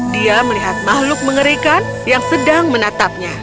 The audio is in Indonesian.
dia melihat makhluk mengerikan yang sedang menatapnya